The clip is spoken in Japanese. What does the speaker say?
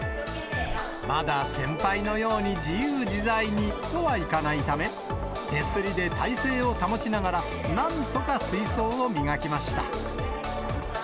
まだ先輩のように自由自在にとはいかないため、手すりで体勢を保ちながら、なんとか水槽を磨きました。